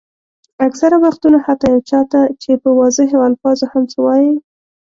اکثره وختونه حتیٰ یو چا ته چې په واضحو الفاظو هم څه وایئ.